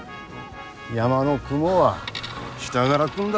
山の雲は下がら来んだ。